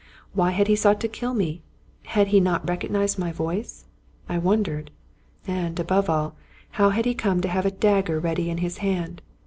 Why had he sought to kill me? Had he not recognized my voice? I wondered. And, above all, how had he come to have a dagger ready in his hand?